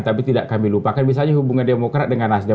tapi tidak kami lupakan misalnya hubungan demokrat dengan nasdem